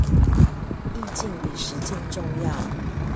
意境比實境重要